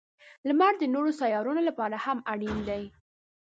• لمر د نورو سیارونو لپاره هم اړین دی.